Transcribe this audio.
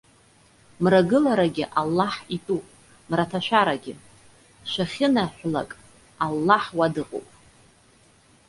Мрагыларагьы Аллаҳ итәуп, мраҭашәарагьы. Шәахьынаҳәлак, Аллаҳ уа дыҟоуп.